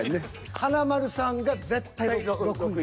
華丸さんが絶対６位。